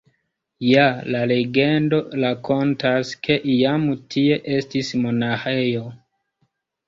Ja, la legendo rakontas, ke iam tie estis monaĥejo.